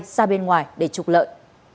xa bên ngoài để trục lợi